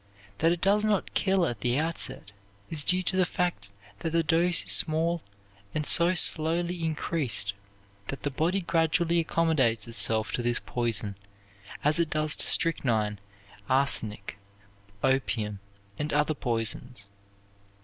That it does not kill at the outset is due to the fact that the dose is small and so slowly increased that the body gradually accommodates itself to this poison as it does to strychnine, arsenic, opium, and other poisons.